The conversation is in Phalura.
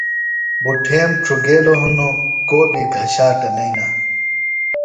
بُٹھیم ڇُھگیلوۡ ہِنوۡ کو بیۡ گھشاٹہ نئینہ۔